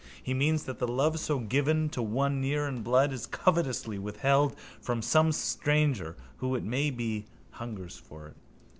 He means that the love so given to one near in blood is covetously withheld from some stranger who, it may be, hungers for it.